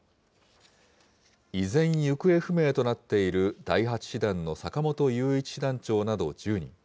依然、行方不明となっている第８師団の坂本雄一師団長など１０人。